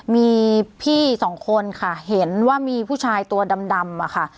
มีพี่สองคนค่ะเห็นว่ามีผู้ชายตัวดำอะค่ะ